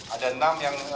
ada enam yang